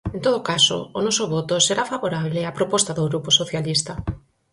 En todo caso, o noso voto será favorable á proposta do Grupo Socialista.